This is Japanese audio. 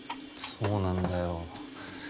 そうなんだよ。